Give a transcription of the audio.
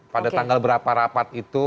pada tanggal berapa rapat itu